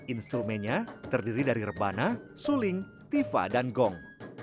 instrumennya terdiri dari rebana suling tifa dan gong